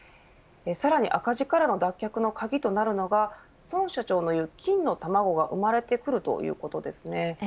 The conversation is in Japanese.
さらに赤字からの脱却の鍵となるのが孫社長の言う、金の卵が生まれてくるということです。